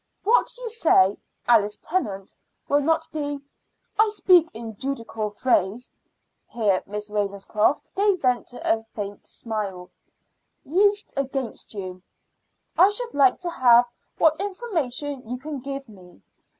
"What you say, Alice Tennant, will not be I speak in judicial phrase" here Miss Ravenscroft gave vent to a faint smile "used against you. I should like to have what information you can give me.